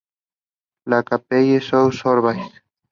She also exhibited her work at the National Academy of Design.